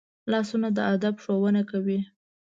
لاسونه د ادب ښوونه کوي